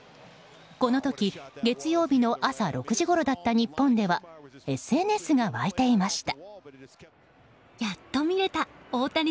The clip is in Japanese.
この時、月曜日の朝６時ごろだった日本ではＳＮＳが沸いていました。